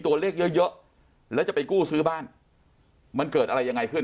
ตัวเลขเยอะเยอะแล้วจะไปกู้ซื้อบ้านมันเกิดอะไรยังไงขึ้น